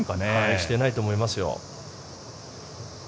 していないと思いますよ。